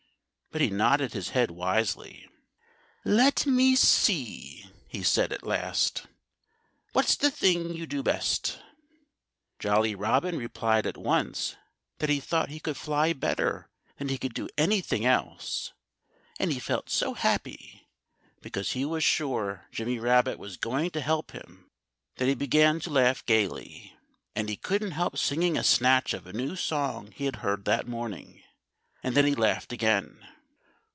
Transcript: But he nodded his head wisely. "Let me see!" he said at last. "What's the thing you do best?" Jolly Robin replied at once that he thought he could fly better than he could do anything else. And he felt so happy, because he was sure Jimmy Rabbit was going to help him, that he began to laugh gaily. And he couldn't help singing a snatch of a new song he had heard that morning. And then he laughed again.